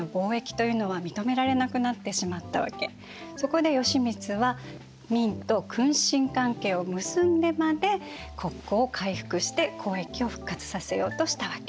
そこで義満は明と君臣関係を結んでまで国交を回復して交易を復活させようとしたわけ。